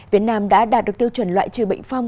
việt nam đã đạt được tiêu chuẩn loại trừ bệnh phong